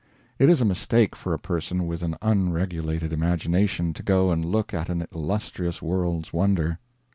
It is a mistake for a person with an unregulated imagination to go and look at an illustrious world's wonder.